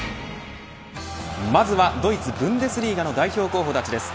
まずはドイツブンデスリーガの代表候補たちです。